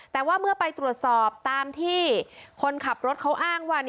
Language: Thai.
แต่ว่าเมื่อไปตรวจสอบตามที่คนขับรถเขาอ้างว่า